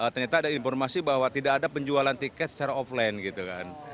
ternyata ada informasi bahwa tidak ada penjualan tiket secara offline gitu kan